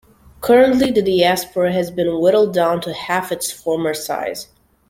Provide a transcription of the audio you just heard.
Currently, the Diaspora has been whittled down to half its former size.